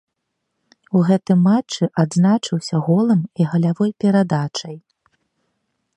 У гэтым матчы адзначыўся голам і галявой перадачай.